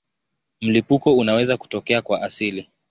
Mlipuko unaweza kutokea kwa asili.